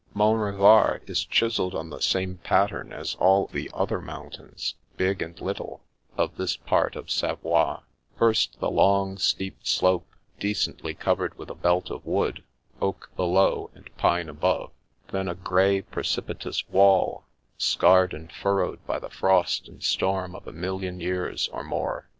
Mont Revard is chiselled on the same pattern as all the other mountains, big and little, of this part of Savoie; first, the long, steep slope decently covered with a belt of wood, oak below, and pine above; then a grey, precipitous wall, scarred and furrowed by the frost and storm of a million years or more.